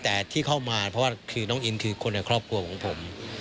แต่ที่เข้ามาเพราะว่าคือน้องอินคือคนในครอบครัวของผม